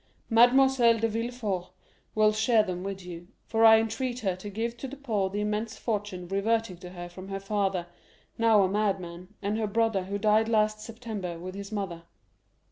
Mademoiselle de Villefort will share them with you; for I entreat her to give to the poor the immense fortune reverting to her from her father, now a madman, and her brother who died last September with his mother.